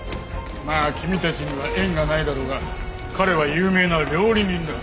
まあ君たちには縁がないだろうが彼は有名な料理人だ。